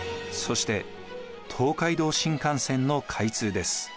そして東海道新幹線の開通です。